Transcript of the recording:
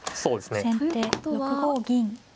先手６五銀。